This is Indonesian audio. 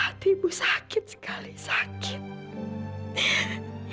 hati ibu sakit sekali sakit